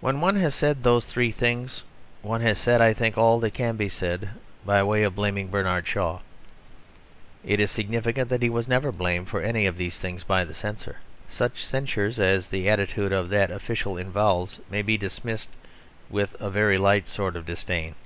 When one has said those three things, one has said, I think, all that can be said by way of blaming Bernard Shaw. It is significant that he was never blamed for any of these things by the Censor. Such censures as the attitude of that official involves may be dismissed with a very light sort of disdain.